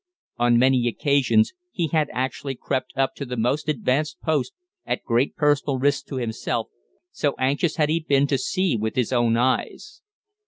On many occasions he had actually crept up to the most advanced posts at great personal risk to himself, so anxious had he been to see with his own eyes.